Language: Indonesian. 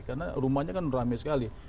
karena rumahnya kan ramai sekali